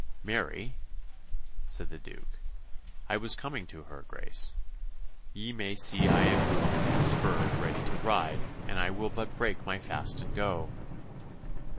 "Marry," said the Duke, "I was coming to her Grace. Ye may see I am booted and spurred ready to ride, and I will but break my fast and go."